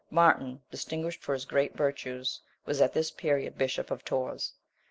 Martin, distinguished for his great virtues, was at this period bishop of Tours.